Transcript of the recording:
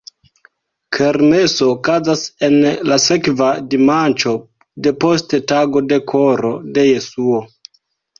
Kermeso okazas en la sekva dimanĉo depost tago de Koro de Jesuo.